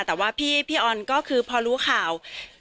แต่ว่าพี่ออนก็คือพอรู้ข่าว